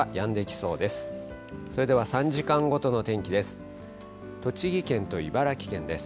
それでは３時間ごとの天気です。